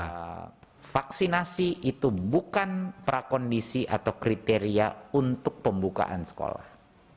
karena vaksinasi itu bukan prakondisi atau kriteria untuk pembukaan sekolah